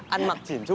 ăn mặc chỉn chu